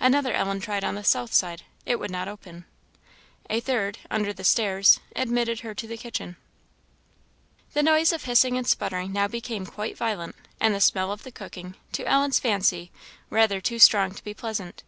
Another Ellen tried on the south side; it would not open. A third, under the stairs, admitted her to the kitchen. The noise of hissing and sputtering now became quite violent, and the smell of the cooking, to Ellen's fancy, rather too strong to be pleasant.